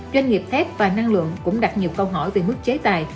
doanh nghiệp thép và năng lượng cũng đặt nhiều câu hỏi về mức chế tài